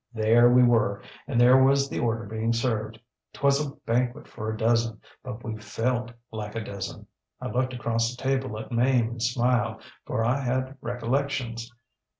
ŌĆ£There we were, and there was the order being served. ŌĆÖTwas a banquet for a dozen, but we felt like a dozen. I looked across the table at Mame and smiled, for I had recollections.